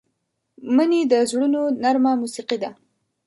مني د زړونو نرمه موسيقي ده